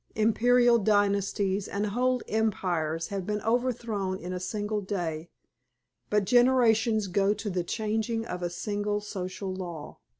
Imperial dynasties and whole empires have been overthrown in a single day, but generations go to the changing of a single social law.